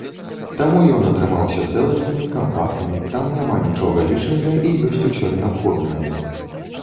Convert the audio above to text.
Таму ён атрымаўся цэласны, кампактны, там няма нічога лішняга і ёсць усё неабходнае.